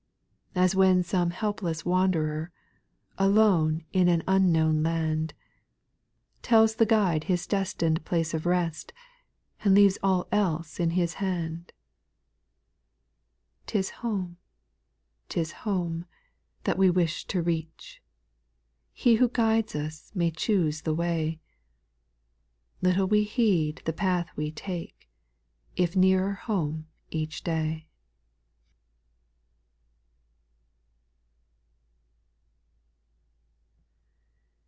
> 2. As when some helpless wanderer, Alone in an unknown land. Tells the guide his destined place of rest, And leaves all else in his hand : 'T is home, 't is home, that we wish to reach ; He who guides us may choose the way ; Little we heed what path we take, If nearer home each day.